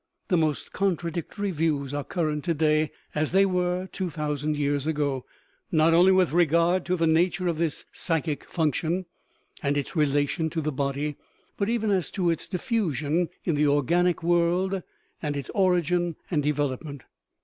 The most contradictory views are current to day, as they were two thousand years ago, not only with regard to the nature of this psychic function and its relation to the body, but even as to its diffusion in the organic world and its origin and development.